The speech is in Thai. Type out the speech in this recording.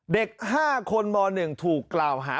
เด็ก๕คนม๑ถูกกล่าวหา